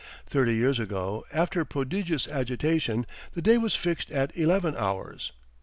Thirty years ago, after prodigious agitation, the day was fixed at eleven hours.